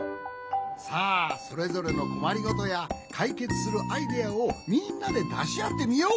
さあそれぞれのこまりごとやかいけつするアイデアをみんなでだしあってみよう。